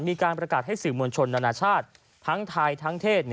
มีการประกาศให้สื่อมวลชนนานาชาติทั้งไทยทั้งเทศ